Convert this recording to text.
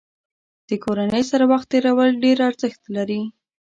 د کورنۍ سره وخت تېرول ډېر ارزښت لري.